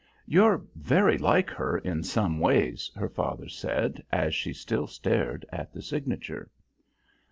"You're very like her in some ways," her father said, as she still stared at the signature.